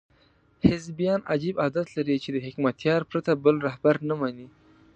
حزبیان عجیب عادت لري چې د حکمتیار پرته بل رهبر نه مني.